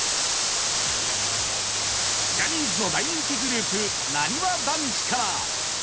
ジャニーズの大人気グループなにわ男子から